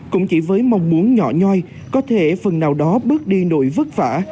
cũng chỉ với mong muốn nhỏ nhoi có thể phần nào đó bước đi nỗi vất vả